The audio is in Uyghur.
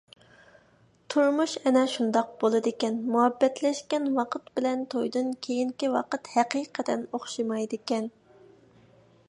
تۇرمۇش ئەنە شۇنداق بولىدىكەن، مۇھەببەتلەشكەن ۋاقىت بىلەن تويدىن كېيىنكى ۋاقىت ھەقىقەتەن ئوخشىمايدىكەن.